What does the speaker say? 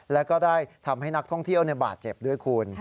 แล้วก็ได้ทำให้นักท่องเที่ยวบาดเจ็บด้วยคุณ